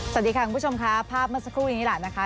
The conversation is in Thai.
สวัสดีค่ะคุณผู้ชมค่ะภาพเมื่อสักครู่นี้แหละนะคะ